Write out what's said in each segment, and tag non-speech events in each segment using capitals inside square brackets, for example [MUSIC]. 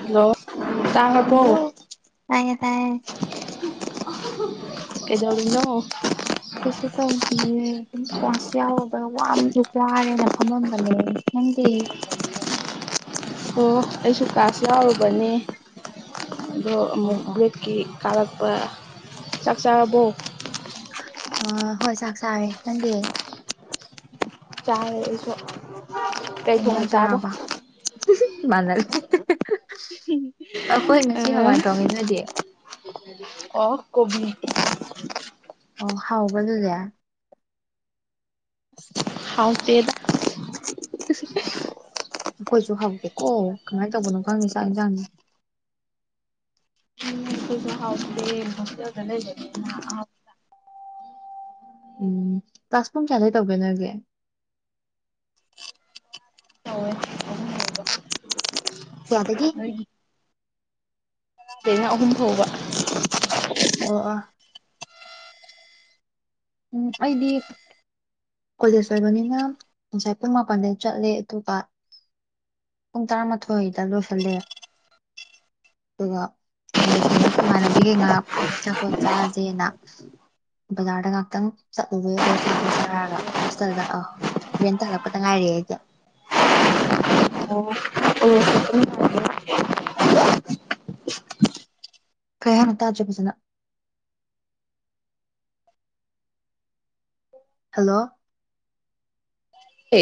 hello ꯇꯥꯔꯕꯣ hello ꯇꯥꯏꯌꯦꯦ ꯇꯥꯏꯌꯦꯦ ꯀꯦꯖꯅ ꯀꯩꯁꯨ ꯇꯧꯗꯤꯌꯦ ꯀꯥꯔꯦꯅ ꯐꯝꯃꯝꯕꯅꯦ ꯅꯪꯗꯤ ꯑꯣ ꯑꯩꯁꯨ ꯀ꯭ꯂꯥꯁ ꯌꯥꯎꯔꯨꯕꯅꯦ ꯑꯗꯣ ꯑꯣ ꯑꯃꯨꯛ ꯑꯣ ꯒ꯭ꯔꯦꯠꯀꯤ ꯀꯥꯔꯛꯄ ꯆꯥꯛ ꯆꯥꯕꯨ ꯑ ꯍꯣꯏ ꯆꯥꯛ ꯆꯥꯋꯦ ꯈꯪꯗꯤ ꯇꯔꯁꯨ ꯀꯩꯅꯖ ꯌꯥꯝ ꯆꯥꯔꯔꯕ ꯏꯃꯥꯟꯅꯦ ꯑꯩꯈꯣꯏ ꯑ ꯉꯁꯤ ꯍꯋꯥꯏ ꯊꯣꯡꯉꯅꯗꯤ ꯑꯣ ꯀꯣꯕꯤ ꯑꯣ ꯍꯥꯎꯕ ꯑꯗꯨꯗ ꯍꯆꯦꯜ [UNINTELLIGIBLE] ꯑꯩꯈꯣꯏꯁꯨ ꯍꯧꯗꯦꯀꯣ ꯀꯃꯥꯏꯅ ꯇꯧꯕꯅꯣ ꯈꯪꯉꯦ ꯆꯥꯛ ꯏꯟꯁꯥꯡꯅꯤ ꯥꯎꯦꯒ ꯂꯩ ꯎꯝ ꯀ꯭ꯂꯥꯁ ꯐꯝ ꯆꯌꯥꯗꯩ ꯇꯧꯒꯦ ꯅꯒꯦ ꯇꯧꯋꯦ ꯌꯥꯗꯗꯒꯤ ꯑꯩꯅ ꯑꯍꯨꯝ ꯐꯥꯎꯕ ꯑꯣ ꯑꯥ ꯎꯝ ꯑꯩꯗꯤ ꯀꯣꯂꯦꯖ ꯑꯣꯏꯕꯅꯤꯅ ꯉꯁꯥꯏ ꯄꯨꯡ ꯃꯥꯄꯜꯗꯒꯤ ꯆꯠꯂꯦ ꯑꯇꯣꯞ ꯄꯨꯡ ꯇꯔꯥꯃꯥꯊꯣꯏꯗ ꯂꯣꯏꯁꯤꯜꯂꯦ ꯑꯗꯨꯒ ꯑꯂꯣꯁꯜꯂꯥꯒ ꯏꯃꯥꯟꯅꯕꯤꯈꯩ ꯉꯥꯏꯍꯥꯛ ꯆꯆꯥꯄꯣꯠ ꯆꯥꯥꯁꯦꯅ ꯕꯖꯥꯔꯗ ꯉꯥꯛꯇꯪ ꯆꯠꯂꯨꯨꯔꯦ ꯑꯗꯣꯁꯥꯕꯣꯠ ꯁꯥꯔꯒ ꯍꯣꯁꯇꯦꯜꯗ ꯑ ꯍꯣꯔꯦꯟ ꯇ ꯍꯜꯂꯛꯄꯗ ꯉꯥꯏꯔꯦ ꯑꯩꯗꯤ ꯑꯣ ꯑꯣ ꯀꯌꯥꯅꯠꯇꯖꯕꯁꯤꯅ ꯍꯦꯜꯂꯣ ꯍ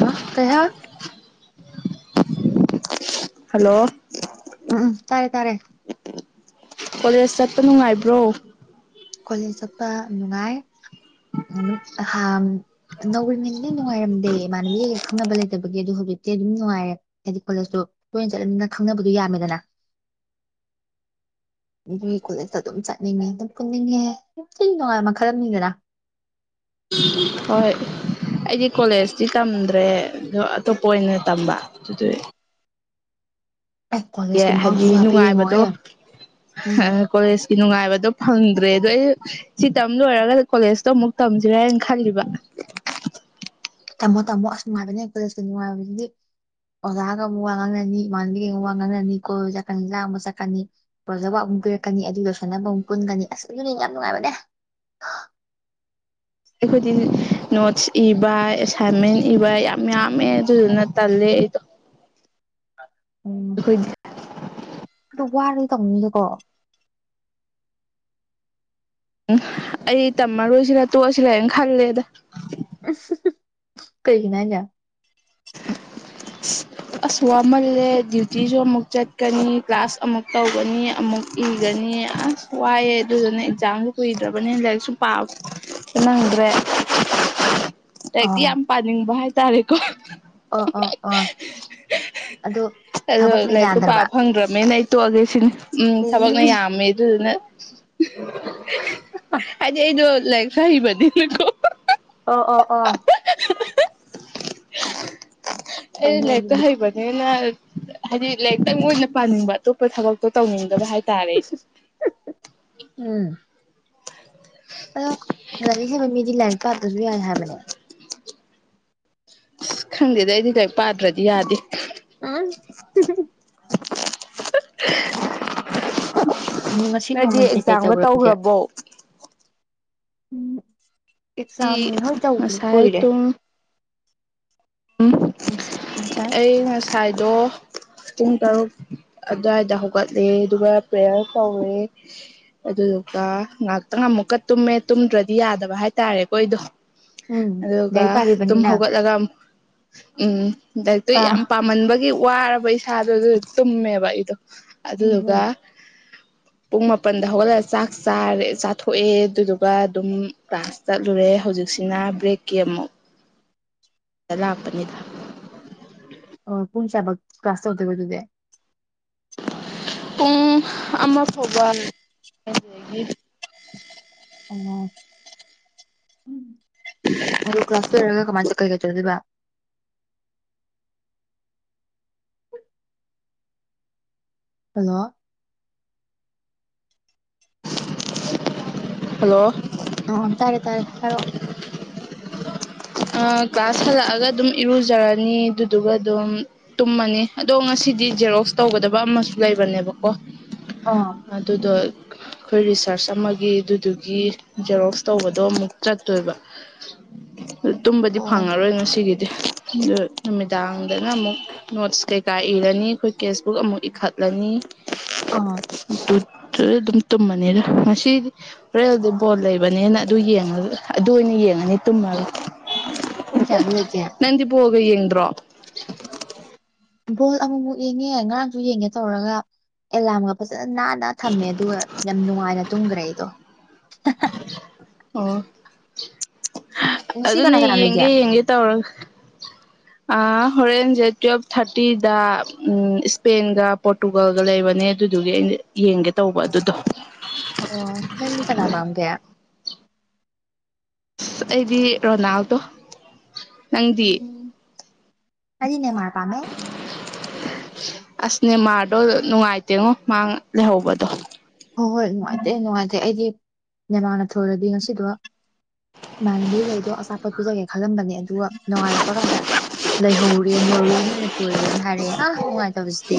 ꯍꯥꯥ ꯀꯌꯥ ꯍꯜꯂꯣ ꯎꯝ ꯇꯔꯦ ꯇꯔꯦ ꯀꯂꯦꯁ ꯀꯣꯂꯦꯖ ꯆꯠꯄ ꯅꯨꯡꯉꯥꯏ ꯍꯥ ꯅꯧꯔꯤꯉꯩꯅꯤ ꯅꯪ ꯅꯨꯡꯉꯥꯏꯔꯝꯗꯦ ꯏꯃꯥꯟꯅꯕꯒꯩꯒ ꯈꯪꯅꯕ ꯂꯩꯇꯕꯒꯤ ꯑꯣ ꯍꯧꯖꯤꯛꯇꯤ ꯑꯗꯨꯝ ꯅꯨꯡꯉꯥꯏꯔꯦ ꯍꯥꯏꯗꯤ ꯈꯣꯠꯂꯁꯨ ꯇꯣꯏꯅ ꯆꯠꯂꯅꯤꯅ ꯈꯪꯅꯕꯗꯨꯣ ꯌꯥꯝꯃꯦꯗꯅ [UNINTELLIGIBLE] ꯈꯨꯂ ꯑꯗꯨꯝ ꯆꯠꯅꯤꯡꯉꯦ ꯑꯗꯨꯝ ꯄꯨꯟꯅꯤꯡꯉꯦ ꯌꯥꯝ ꯊꯤ ꯅꯨꯡꯉꯥꯏꯕ ꯃꯈꯜ ꯑꯃꯅꯤꯅꯤꯗꯅ ꯍꯣꯏ ꯑꯩꯗꯤ ꯀꯣꯂꯦꯖꯇꯤ ꯇꯝꯗ꯭ꯔꯦ ꯑꯗꯣ ꯑꯇꯣꯞꯄ ꯑꯣꯏꯅ ꯇꯝꯕ ꯑꯗꯨꯗ ꯑꯦ ꯀꯣꯂꯦꯖꯀꯤ ꯍꯥꯏꯗꯤ ꯃꯍꯥꯎꯁꯤꯁꯨ ꯍꯥꯏꯐꯦꯠ ꯅꯨꯡꯉꯥꯏꯕꯗꯣ ꯌꯦꯡꯉꯣꯍꯦ ꯎꯝ ꯀꯣꯂꯦꯖ ꯅꯨꯡꯉꯥꯏꯕꯗꯣ ꯐꯪꯗ꯭ꯔꯦ ꯑꯗꯣ ꯑꯩ ꯁꯤ ꯇꯝ ꯂꯣꯏꯔꯒ ꯀꯣꯂꯦꯖꯇꯣ ꯑꯃꯨꯛ ꯇꯝꯁꯤꯔꯥ ꯍꯥꯏ ꯈꯜꯕ ꯇꯝꯃꯣ ꯇꯝꯃꯣ ꯑꯁꯅꯨꯡꯥꯏꯅꯦ ꯍꯂꯁꯨ ꯅꯨꯡꯉꯥꯏꯕꯗꯤ ꯑꯣꯖꯥꯒ ꯑꯃꯨꯛ ꯋꯥ ꯉꯥꯡꯅꯅꯤ ꯏꯃꯥꯟꯅꯕꯤꯒ ꯑꯃꯨꯛ ꯋꯥ ꯉꯥꯡꯅꯅꯤ ꯀꯣꯏ ꯆꯠꯀꯅꯤ ꯂꯥ ꯑꯃꯛ ꯆꯠꯀꯅꯤ ꯑꯣꯖꯕ ꯑꯃꯨ ꯀꯤꯔꯛꯀꯅꯤ ꯑꯗꯨ ꯌꯣꯏꯁꯟꯅꯕ ꯑꯃꯨꯛ ꯄꯨꯟꯒꯅꯤ ꯑꯁ ꯑꯗꯨꯨꯅꯤ ꯌꯥꯝ ꯅꯨꯡꯉꯥꯏꯕꯅꯦ [UNINTELLIGIBLE] ꯑꯩꯈꯣꯏꯗꯤ ꯅꯣꯠꯁ ꯏꯕ ꯍꯦꯃꯦꯟ ꯏꯕ ꯌꯥꯝ ꯌꯥꯝꯃꯦ ꯑꯗꯨꯗꯨꯅ ꯇꯜꯂꯦ ꯑꯩꯗꯣ ꯎꯝ ꯑꯩꯈꯣꯏꯗꯤ ꯑꯗꯨ ꯋꯥꯔꯗꯤ ꯇꯧꯅꯤꯁꯦꯀꯣ ꯎꯝ ꯑꯩ ꯇꯝꯃꯔꯣꯏꯁꯤꯔ ꯇꯣꯛꯑꯁꯤꯔ ꯍꯥꯏꯅ ꯈꯜꯂꯦꯗ ꯀꯔꯤꯅꯖ [UNINTELLIGIBLE] ꯑꯁꯨ ꯋꯥꯍꯜꯂꯦ ꯗ꯭ꯌꯨꯇꯤꯁꯨ ꯑꯃꯨꯛ ꯆꯠꯀꯅꯤ ꯀ꯭ꯂꯥꯁ ꯑꯃꯨꯛ ꯇꯧꯒꯅꯤ ꯑꯃꯨꯛ ꯏꯒꯅꯤ ꯑꯁ ꯋꯥꯏꯑꯦ ꯑꯗꯨꯗꯨꯅ ꯑꯦꯛꯖꯥꯝꯗ ꯀꯨꯏꯗ꯭ꯔꯕꯅꯤꯅ ꯂꯥꯏꯔꯤꯛꯁꯨꯨꯝ ꯄꯥꯕ ꯅꯪꯗ꯭ꯔꯦ ꯂꯥꯏꯛꯇꯤ ꯌꯥꯝ ꯄꯥꯅꯤꯡꯕ ꯍꯥꯏꯇꯥꯔꯦꯀꯣ ꯑꯣ ꯑꯣ ꯑ ꯑꯗꯣ ꯑꯗꯣ ꯊꯕꯛꯅ ꯂꯥꯏꯔꯤꯛꯇꯣ ꯌꯥꯗ꯭ꯔꯕ ꯄꯥꯕ ꯐꯪꯗ꯭ꯔꯃꯦꯅ ꯑꯩ ꯇꯣꯛꯑꯒꯦ ꯁꯤꯅꯤ ꯎꯝ ꯊꯕꯛꯅ ꯌꯥꯝꯃꯦ ꯑꯗꯨꯗꯨꯅ ꯍꯥꯏꯗꯤ ꯑꯩꯗꯣ ꯂꯥꯏꯔꯤꯛ ꯐꯩꯕꯅꯦꯀꯣ ꯑ ꯑꯣ ꯑ [UNINTELLIGIBLE] ꯑꯦ ꯐꯩꯅꯦ ꯂꯩꯗ ꯑꯗꯨꯗꯤ ꯍꯥꯏꯕꯅꯦ ꯍꯥꯏꯗꯤ ꯂꯥꯏꯔꯤꯛꯇꯪ ꯑꯣꯏꯅ ꯄꯥꯅꯤꯡꯕ ꯑꯇꯣꯞꯄ ꯊꯕꯛꯇꯣ ꯇꯧꯅꯤꯡꯗꯕ ꯍꯥꯏ ꯎꯝ ꯑꯗꯣ ꯂꯥꯏꯔꯤꯛ ꯍꯩꯕ ꯃꯤꯗꯤ ꯂꯥꯏꯔꯤꯛ ꯄꯥꯇ꯭ꯔꯁꯨ ꯌꯥꯏ ꯍꯥꯏꯕꯅꯦ ꯑꯁ ꯈꯪꯗꯦꯗ ꯑꯩꯗꯤ ꯀꯔꯤ ꯄꯥꯗ꯭ꯔꯗꯤ ꯌꯥꯗꯦ ꯑ [UNINTELLIGIBLE] ꯎꯝ ꯉꯁꯤ ꯅꯣꯏꯗꯤ ꯅꯣꯡꯃꯩꯁꯦ ꯀꯩ ꯑꯦꯛꯖꯥꯝꯒ ꯇꯧꯔꯒꯦ ꯇꯧꯈ꯭ꯔꯕꯣ ꯎꯝ ꯑꯦꯛꯖꯥꯝ ꯑꯩ ꯍꯣꯏ ꯇꯧ ꯉꯁꯥꯏ ꯀꯨꯏꯔꯦ ꯄꯨꯡ ꯄꯨꯡꯁꯥꯏ ꯑꯩ ꯉꯁꯥꯏꯗꯣ ꯄꯨꯡ ꯎꯝ ꯇꯔꯨꯛ ꯑꯗꯨꯋꯥꯏꯗ ꯍꯧꯒꯠꯂꯦ ꯑꯗꯨꯒ ꯄ꯭ꯔꯦꯌꯔ ꯀꯧꯋꯦ ꯑꯗꯨꯗꯨꯒ ꯉꯍꯥꯛꯇꯪ ꯑꯃꯨꯛꯀ ꯇꯨꯝꯃꯦ ꯇꯨꯝꯗ꯭ꯔꯗꯤ ꯌꯥꯗꯕ ꯍꯥꯏꯇꯥꯔꯦꯀꯣ ꯑꯩꯗꯣ ꯎꯝ ꯑꯗꯨꯒ ꯂꯥꯏꯔꯤꯛ ꯑꯗꯨꯝ ꯄꯥꯈꯤꯕꯅꯤꯅ ꯍꯧꯒꯠꯂꯒ ꯎꯝ ꯂꯥꯏꯛꯇꯨ ꯎꯝ ꯌꯥꯝ ꯄꯥꯝꯃꯟꯕꯒꯤ ꯋꯥꯔꯕ ꯏꯁꯥꯗꯣ ꯑꯗꯨ ꯇꯨꯝꯃꯦꯕ ꯑꯩꯗꯣ ꯑꯗꯨ ꯇꯒ ꯎꯝ ꯄꯨꯡ ꯃꯥꯄꯟꯗ ꯍꯧꯒꯠꯂꯒ ꯆꯥꯛ ꯆꯥꯊꯣꯛꯑꯦ ꯑꯗꯨꯗꯨꯒ ꯑꯗꯨꯝ ꯀ꯭ꯂꯥꯁ ꯆꯠꯂꯨꯔꯦ ꯍꯧꯖꯤꯛꯁꯤꯅ ꯕ꯭ꯔꯦꯛꯀꯤ ꯑꯃꯨꯛ ꯂꯥꯛꯄꯅꯤꯗ ꯑꯣ ꯄꯨꯨꯡꯟ ꯆꯥꯕ ꯀ꯭ꯂꯥꯁ ꯇꯧꯗꯒꯣ ꯑꯗꯨꯗꯤ [UNINTELLIGIBLE] ꯄꯨꯡ ꯑꯃ ꯐꯥꯎꯕ ꯑꯣ ꯎꯝ ꯑꯗꯨ ꯀ꯭ꯂꯥꯁ ꯂꯔꯒ ꯀꯃꯥꯏꯅ ꯆꯠꯀꯒ ꯆꯗꯣꯏꯕ ꯍꯣꯏ ꯍꯂꯣ ꯍꯜꯂꯣ ꯑ ꯇꯥꯔꯦ ꯇꯥꯔꯦ ꯐꯔꯣꯑꯣ ꯀ꯭ꯂꯥꯁ ꯍꯜꯂꯛꯑꯒ ꯑꯗꯨꯝ ꯏꯔꯨꯖꯔꯅꯤ ꯑꯗꯨꯗꯨꯒ ꯑꯗꯨꯝ ꯇꯨꯝꯃꯅꯤ ꯑꯗꯣ ꯉꯁꯤ ꯁꯤꯗꯤ ꯖꯦꯔꯣꯛꯁ ꯇꯧꯒꯗꯕ ꯑꯃꯁꯨ ꯂꯩꯕꯅꯦꯕꯀꯣ ꯑꯥ ꯑꯗꯨꯗꯣ ꯑꯩꯈꯣꯏ ꯔꯤꯁꯥꯔꯁ ꯑꯃꯒꯤ ꯑꯗꯨꯗꯨꯒꯤ ꯖꯦꯔꯣꯛꯁ ꯇꯧꯕꯗꯣ ꯑꯃꯨꯛ ꯆꯠꯇꯣꯏꯕ ꯇꯨꯝꯕꯗꯤ ꯑꯣ ꯐꯪꯉꯔꯣꯏ ꯉꯁꯤꯒꯤꯗꯤ ꯑ ꯅꯨꯃꯤꯗꯥꯡꯗꯅ ꯑꯃꯨꯛ ꯅꯣꯠꯁ ꯀꯩꯀꯥ ꯏꯔꯅꯤ ꯑꯩꯈꯣꯏ ꯀꯦꯁꯕꯨꯛ ꯑꯃꯨꯛ ꯏꯈꯠꯂꯅꯤ ꯑꯥ ꯑꯗꯨ ꯑꯗꯨ ꯑꯗꯨꯝ ꯇꯨꯝꯃꯅꯤꯗ ꯉꯁꯤꯗꯤ ꯔꯦꯜꯗꯤ ꯕꯣꯟ ꯂꯩꯕꯅꯦꯅ ꯑꯗꯨ ꯌꯦꯡꯂꯡꯉꯒ ꯑꯗꯨ ꯒꯦ ꯅꯅꯤ ꯇꯨꯝꯃ ꯄꯨꯟ ꯆ ꯑꯗꯨ ꯅ ꯀ ꯀꯌꯦꯗ꯭ꯔꯣ ꯕꯣꯜ ꯑꯃꯨꯛꯃꯨꯛ ꯌꯦꯡꯉꯦ ꯉꯔꯥꯡꯁꯨ ꯌꯦꯡꯉꯦ ꯇꯧꯔꯒ ꯑꯦꯂꯥꯔꯝꯒ ꯐꯖꯅ ꯅꯥꯟꯅ ꯊꯝꯃꯦ ꯑꯗꯨꯒ ꯌꯥꯝ ꯅꯨꯡꯉꯥꯏꯅ ꯇꯨꯝꯈ꯭ꯔꯦ ꯑꯩꯗꯣ ꯑꯣ ꯉꯁꯤ ꯀꯅꯥ ꯑꯗꯨꯅꯦ ꯀꯅꯥ ꯂꯩꯒꯦ ꯌꯦꯡꯒꯦ ꯌꯦꯡꯒꯦ ꯇꯧꯔꯒ ꯍꯣꯔꯦꯟꯁꯦ ꯇꯨꯋꯦꯜꯐ ꯊꯥꯔꯇꯤꯗ ꯎꯝ ꯏꯁꯄꯦꯟꯒ ꯄꯣꯔꯇꯨꯒꯜꯒ ꯂꯩꯕꯅꯦ ꯑꯗꯨ ꯑꯗꯨꯗꯨꯒꯤ ꯑꯩꯅ ꯌꯦꯡꯒꯦ ꯇꯧꯕ ꯑꯗꯨꯗꯣ ꯑꯣ ꯅꯗꯤ ꯀꯅꯥꯃꯝꯒꯌꯥ ꯑꯁ ꯑꯩꯗꯤ ꯔꯣꯅꯥꯜꯗꯣ ꯅꯪꯗꯤ ꯀꯗꯤꯟꯅ ꯃꯥꯄꯃꯦ ꯑꯁꯅꯦ ꯃꯥꯔꯗꯣ ꯅꯨꯡꯉꯥꯏꯇꯦꯉꯣ ꯃꯥꯥꯡ ꯂꯩꯍꯧꯕꯗꯣ ꯍꯣꯏ ꯍꯣꯏ ꯅꯨꯡꯉꯥꯏꯇꯦ ꯅꯨꯡꯉꯥꯏꯇꯦ ꯑꯩꯗꯤ ꯅꯦꯃꯥꯅ ꯊꯣꯏꯂꯗꯤ ꯉꯁꯤꯗꯣ ꯏꯃꯥꯟꯅꯕꯤ ꯂꯩꯗꯣ ꯑꯆꯥꯄꯠ ꯄꯨꯖꯒꯦ ꯈꯜꯂꯝꯕꯅꯦ ꯑꯗꯨꯒ ꯅꯣꯡꯉꯥꯜꯂꯛꯄ ꯀꯥꯟꯗ ꯂꯩꯍꯧꯔꯦ ꯅꯣꯔꯋꯦ ꯑꯣꯏꯅ ꯊꯣꯏꯈ꯭ꯔꯦꯅ ꯍꯥꯏꯔꯛꯑꯦ ꯑꯥꯉꯥꯏꯦ ꯅꯃꯁꯦ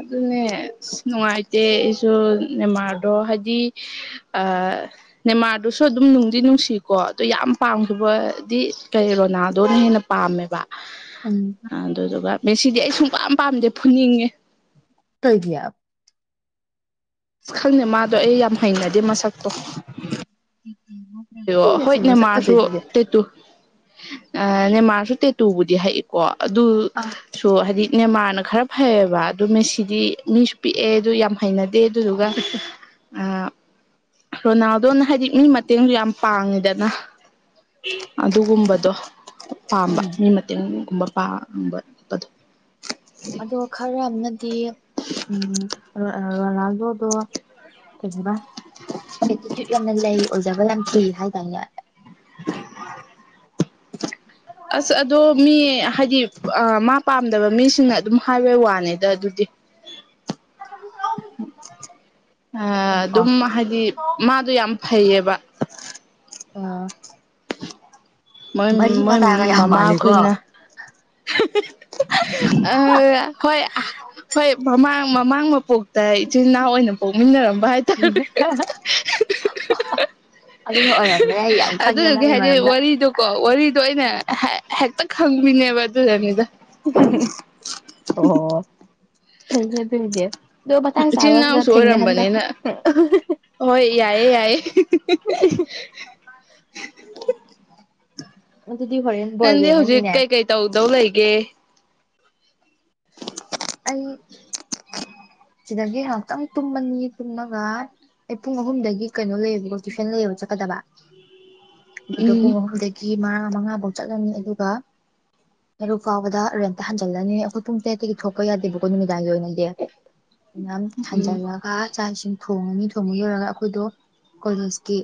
ꯑꯗꯨꯅꯦ ꯑ ꯅꯨꯡꯉꯥꯏꯇꯦ ꯑꯩꯁꯨ ꯅꯦꯃꯥꯔꯗꯣ ꯍꯥꯏꯗꯤ ꯅꯦꯃꯥꯔꯗꯨꯁꯨ ꯑꯗꯨꯝ ꯅꯨꯡꯗꯤ ꯅꯨꯡꯁꯤꯀꯣ ꯑꯗꯨꯣ ꯌꯥꯝ ꯄꯥꯝꯈꯤꯕꯗꯤ ꯀꯩ ꯔꯣꯅꯥꯗꯣ ꯍꯦꯟꯅ ꯄꯥꯝꯃꯦꯕ ꯎꯝ ꯑꯗꯨꯗꯨꯒ ꯃꯦꯁꯤꯗꯤ ꯑꯩ ꯁꯨꯡꯄꯥꯝ ꯄꯥꯝꯗꯦ ꯐꯨꯅꯤꯡꯉꯦ ꯇ ꯏꯗ ꯑꯁ ꯈꯪꯗꯦ ꯃꯥꯗꯣ ꯑꯩ ꯌꯥꯝ ꯍꯩꯅꯗꯦ ꯃꯁꯛꯇꯣ ꯣ ꯁꯤ ꯍꯣꯏꯅꯦ ꯃꯁꯛ ꯃꯥꯁꯨ ꯐꯖꯩꯗꯨꯗꯤ ꯇꯠꯇꯨ ꯅꯦꯃꯥꯔꯁꯨ ꯇꯦꯇꯨꯕꯨꯗꯤ ꯍꯏꯀꯣ ꯑꯥ ꯑꯗꯨꯁꯨ ꯍꯥꯏꯗꯤ ꯅꯦꯃꯥꯅ ꯈꯔ ꯐꯩꯌꯦꯕ ꯑꯗꯨ ꯃꯦꯁꯤꯗꯤ ꯃꯤꯁꯨ ꯄꯤꯛꯑꯦ ꯑꯗꯨ ꯌꯥꯝ ꯍꯩꯅꯗꯦ ꯑꯗꯨꯗꯨꯒ ꯔꯣꯅꯥꯜꯗꯣꯅ ꯍꯥꯏꯗꯤ ꯃꯤ ꯃꯇꯦꯡꯁꯨ ꯌꯥꯝ ꯄꯥꯡꯉꯤꯗꯅ ꯑꯗꯨꯒꯨꯝꯕꯗꯣ ꯄꯥꯝꯕ ꯎꯝ ꯃꯤ ꯃꯇꯦꯡꯒꯨꯝꯕ ꯄꯥꯡꯝꯕꯄꯗꯣ ꯑꯗꯣ ꯈꯔ ꯑꯃꯅꯗꯤ ꯎꯝ ꯂꯜꯗꯣꯗꯣ ꯀꯖꯤꯕ ꯑꯦꯇꯤꯆꯌꯨꯠ ꯌꯥꯝꯅ ꯂꯩ ꯑꯣꯏꯖꯕ ꯌꯥꯝ ꯊꯤ ꯍꯥꯏꯇꯥꯔꯅꯦ ꯑꯁ ꯑꯗꯣ ꯃꯤ ꯍꯥꯏꯗꯤ ꯃꯥ ꯄꯥꯝꯗꯕ ꯃꯤꯁꯤꯡꯅ ꯑꯗꯨꯝ ꯍꯥꯏꯕꯩ ꯋꯥꯅꯤꯗ ꯑꯗꯨꯗꯤ ꯎ [UNINTELLIGIBLE] ꯑ ꯑꯣ ꯑꯗꯨꯝ ꯍꯥꯏꯗꯤ ꯃꯥꯗꯣ ꯌꯥꯝ ꯐꯩꯌꯦꯕ ꯑꯥ ꯃꯣꯏ ꯃꯣꯏ ꯌꯥꯝ ꯃꯃꯥ ꯃꯥꯜꯂꯤꯀꯣ ꯑꯩꯈꯣꯏꯅ ꯑ ꯍꯣꯏ ꯍꯣꯏ ꯃꯃꯥꯡ ꯃꯃꯥꯡ ꯃꯄꯨ ꯏꯆꯤꯟꯜ ꯏꯅꯥꯎ ꯑꯣꯏꯅ ꯄꯣꯛꯃꯤꯟꯅꯔꯝꯕ ꯍꯥꯏꯇꯥꯔꯦ ꯑꯗꯨꯅ ꯑꯣꯏꯔꯝꯕ ꯌꯥꯏ ꯌꯥꯝ ꯈꯪꯉꯦ ꯑꯗꯨꯗꯨꯒꯤ ꯃꯥꯒꯤ ꯍꯥꯏꯗꯤ ꯃꯔꯝꯗ ꯋꯥꯔꯤꯗꯣꯀꯣ ꯋꯥꯔꯤꯗꯣ ꯑ ꯑꯣꯏꯅ ꯍꯦꯛꯇ ꯈꯪꯕꯤꯅꯦꯕ ꯑꯗꯨꯗꯅꯤꯗ ꯂꯩꯅꯦ ꯑꯗꯨꯏꯅꯦ ꯑꯗꯣ ꯃꯇꯥꯡ ꯆꯥꯕ ꯏꯆꯤꯜ ꯑꯝꯅ ꯏꯅꯥꯎꯁꯨ ꯊꯦꯡꯅꯍꯟꯕ ꯑꯣꯏꯔꯝꯕꯅꯤꯅ ꯍꯣꯏ ꯌꯥꯏꯑꯦ ꯌꯥꯏꯑꯦ ꯑꯗꯨꯗꯤ ꯍꯣꯔꯦꯟ ꯕꯣꯜ ꯅꯪꯗꯤ ꯍꯧꯖꯤꯛ ꯌꯦꯡꯉꯅꯤꯅꯦ ꯀꯩꯀꯩ ꯇꯧꯗꯧ ꯂꯩꯒꯦ ꯑꯩ ꯁꯤꯗꯒꯤ ꯉꯥꯏꯍꯥꯛꯇꯪ ꯇꯨꯝꯃꯅꯤ ꯇꯨꯝꯂꯒ ꯑꯩ ꯄꯨꯡ ꯑꯍꯨꯝꯗꯒꯤ ꯀꯩꯅꯣ ꯂꯩꯌꯦꯕꯀꯣ ꯇ꯭ꯋꯏꯁꯟ ꯂꯩꯌꯦꯕ ꯆꯠꯀꯗꯕ [UNINTELLIGIBLE] ꯑꯗꯨꯗꯣ ꯎꯝ ꯄꯨꯡ ꯑꯍꯨꯝꯗꯒꯤ ꯃꯉꯥ ꯃꯉꯥꯐꯧ ꯆꯠꯂꯅꯤ ꯑꯗꯨꯒ ꯑꯔꯨꯛ ꯐꯥꯎꯕꯗ ꯔꯦꯟꯇ ꯍꯟꯖꯜꯂꯅꯤ ꯑꯩꯈꯣꯏ ꯄꯨꯡ ꯇꯔꯦꯠꯇꯒꯤ ꯊꯣꯛꯄ ꯌꯥꯗꯦꯕꯀꯣ ꯅꯨꯃꯤꯗꯥꯡꯒꯤ ꯑꯣꯏꯅꯗꯤ ꯑꯗꯨꯝ ꯎꯝ ꯍꯟꯖꯜꯂꯒ ꯆꯥꯛ ꯏꯁꯤꯟ ꯊꯣꯡꯉꯅꯤ ꯊꯣꯡꯉꯨ ꯌꯣꯏꯔꯒ ꯑꯩꯈꯣꯏꯗꯣ ꯀꯣꯂꯦꯖꯀꯤ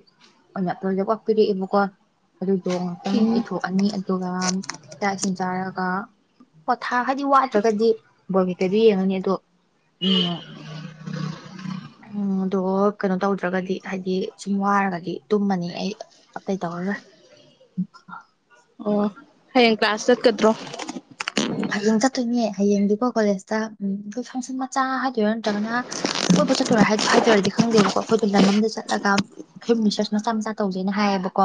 ꯑꯣꯏꯅ ꯂꯣꯏꯖ ꯋꯥꯥꯛꯄꯤꯔꯛꯑꯦꯕꯀꯣ ꯑꯗꯨꯗꯣ ꯉꯥꯛꯇꯪ ꯎꯝ ꯏꯊꯣꯛꯑꯅꯤ ꯑꯗꯨꯒ ꯆꯥꯛ ꯏꯁꯤꯡ ꯆꯥꯔꯒ ꯑ ꯄꯣꯊꯥ ꯈꯔꯗꯤ ꯋꯥꯠꯇ꯭ꯔꯒꯗꯤ ꯕꯣꯀꯦꯠꯇꯗꯨ ꯌꯦꯡꯉꯅꯤ ꯑꯗꯣ ꯎꯝ ꯎ ꯑꯗꯣ ꯀꯩꯅꯣ ꯇꯧꯗ꯭ꯔꯒꯗꯤ ꯍꯥꯏꯗꯤ ꯁꯨꯝ ꯋꯥꯔꯒꯗꯤ ꯇꯨꯝꯃꯅꯤ ꯑꯩ ꯑꯇꯩ ꯇꯧꯔꯔꯣꯏ ꯎ ꯑꯣ ꯍꯌꯦꯡ ꯀ꯭ꯂꯥꯁ ꯆꯠꯀꯗ꯭ꯔꯣ ꯡ ꯆ ꯇꯃꯤ ꯍꯌꯦꯡꯗꯤꯀꯣ ꯀꯣꯂꯦꯖꯇ ꯎꯝ ꯑꯩꯣꯏ ꯐꯪꯁꯟ ꯃꯆꯥ ꯍꯥꯏꯗꯣꯏꯔꯥ ꯅꯠꯇ꯭ꯔꯒꯅ ꯀꯣꯏꯄ ꯆꯠꯇꯣꯏ ꯍꯥꯏꯗꯔꯗꯤ ꯈꯪꯗꯦꯕꯀꯣ ꯑꯩꯈꯣꯏꯗ ꯂꯝ ꯑ ꯑꯃꯗ ꯆꯠꯂꯒ ꯑꯩ ꯔꯤꯁꯔꯁ ꯃꯆꯥ ꯃꯆꯥ ꯇꯧꯖꯦꯅ ꯍꯥꯏꯌꯦꯕꯀꯣ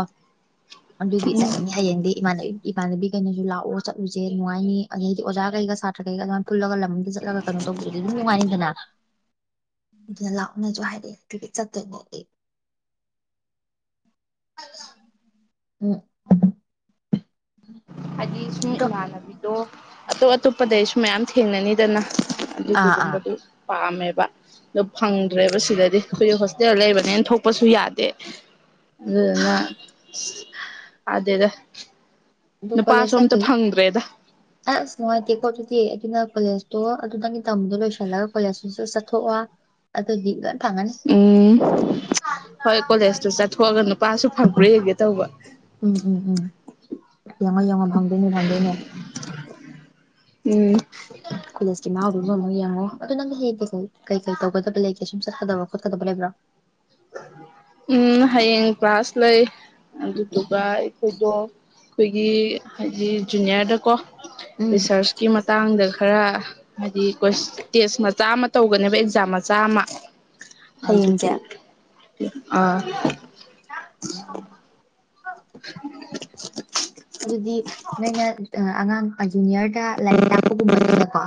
ꯑꯗꯨꯗꯤ ꯆꯠꯂꯅꯤ ꯍꯌꯦꯡꯗꯤ ꯏꯃꯥꯟꯅ ꯏꯃꯥꯟꯅꯕꯤ ꯀꯩꯅꯁꯨ ꯂꯥꯛꯑꯣ ꯆꯠꯂꯨꯁꯦ ꯅꯨꯡꯉꯥꯏ ꯅꯤ ꯑꯗꯩꯗꯤ ꯑꯣꯖꯥ ꯀꯩꯒ ꯁꯥꯇ꯭ꯔ ꯀꯩꯒ ꯑꯗꯨꯃꯥꯏꯅ ꯄꯨꯜꯂꯒ ꯂꯝꯗ ꯆꯠꯂꯒ ꯀꯩꯅꯣ ꯇꯧꯕꯗꯤ ꯑꯗꯨꯝ ꯅꯨꯡꯉꯥꯏꯅꯤꯗꯅ ꯑꯗꯨꯅ ꯂꯥꯛꯑꯣ ꯅꯁꯨ ꯍꯥꯏꯔꯛꯑꯦ ꯀꯤꯀꯦꯠ ꯆꯠꯇꯣꯏꯅꯦ ꯑꯩ ꯎꯝ ꯎꯝ ꯍꯥꯏꯗꯤ ꯎꯝ ꯁꯨꯝ ꯏꯃꯥꯟꯅꯕꯤꯗꯣ ꯑꯇꯣꯞ ꯑꯇꯣꯞꯄꯗꯩꯁꯨ ꯃꯌꯥꯝ ꯊꯦꯡꯅꯅꯤꯗꯅ ꯑꯗꯨꯗꯨ ꯑꯥ ꯑꯥ ꯇꯝꯕꯗꯨ ꯄꯥꯝꯃꯦꯕ ꯑꯗꯣ ꯐꯪꯗ꯭ꯔꯦꯕ ꯁꯤꯗꯗꯤ ꯑꯩꯈꯣꯏꯒꯤ ꯍꯣꯁꯇꯦꯜ ꯂꯩꯕꯅꯦꯅ ꯊꯣꯛꯄꯁꯨ ꯌꯥꯗꯦ ꯑꯗꯨꯅ ꯑꯗꯦꯗ ꯑꯗꯨ ꯀꯣꯂꯦꯖ ꯆꯠꯂ ꯑꯁ ꯅꯨꯡꯉꯥꯏꯇꯦꯀꯣ ꯑꯗꯨꯗꯤ ꯑꯗꯨꯅ ꯀꯣꯂꯦꯖꯇꯣ ꯑꯗꯨ ꯅꯪꯒꯤ ꯇꯝꯗꯣ ꯂꯣꯏꯁꯤꯜꯂꯒ ꯀꯣꯂꯦꯖꯇꯨꯁꯨ ꯆꯠꯊꯣꯛꯑꯣ ꯑꯗꯨꯗꯤ ꯐꯪꯉꯅꯤ ꯎꯝ ꯍꯣꯏ ꯀꯣꯂꯦꯖꯇꯨ ꯆꯠꯊꯣꯛꯑꯒ ꯅꯨꯄꯥꯁꯨ ꯐꯪꯕ꯭ꯔ ꯍꯒꯦ ꯇꯧꯕ ꯌꯥꯡꯉ ꯌꯦꯡꯉꯣ ꯐꯪꯗꯣꯏꯅꯦ ꯐꯪꯗꯅꯦ ꯎꯝ ꯀꯣꯂꯦꯖꯀꯤꯃ ꯑꯣꯏ ꯑꯃꯨꯛ ꯌꯦꯡꯉꯣ ꯑꯗꯨꯣ ꯅꯪꯅ ꯍꯦꯗꯤ ꯀꯩꯀꯩ ꯇꯧꯒꯗꯕ ꯂꯩꯒꯦ ꯁꯨꯝ ꯆꯠꯀꯗꯕ ꯈꯣꯠꯀꯗꯕ ꯂꯩꯕ꯭ꯔꯥ ꯎꯝ ꯍꯌꯦꯡ ꯀ꯭ꯂꯥꯁ ꯂꯩ ꯑꯗꯨꯗꯨꯒ ꯑꯩꯈꯣꯏꯗꯣ ꯑꯩꯈꯣꯏꯒꯤ ꯍꯥꯏꯗꯤ ꯖꯨꯅꯤꯌꯔꯗꯀꯣ ꯎꯝ ꯔꯤꯁꯔꯁꯀꯤ ꯃꯇꯥꯡꯗ ꯈꯔ ꯍꯥꯏꯗꯤ ꯇꯦꯁ ꯃꯆꯥ ꯇꯧꯒꯅꯦꯕ ꯑꯦꯛꯖꯥꯝ ꯃꯆꯥ ꯑꯃ ꯍꯌꯦꯡꯁꯦ ꯑꯗꯨꯗꯨ [UNINTELLIGIBLE] ꯑꯗꯨꯗꯤ ꯅꯣꯏꯅ ꯑꯉꯥꯡ ꯖꯨꯅꯤꯌꯔ ꯈ ꯂꯥꯏꯔꯤꯛ ꯇꯥꯛꯄꯒꯨꯝꯕꯅꯤꯅꯀꯣ